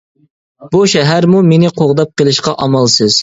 بۇ شەھەرمۇ مېنى قوغداپ قېلىشقا ئامالسىز.